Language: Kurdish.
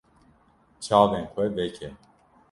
Çavên xwe veke.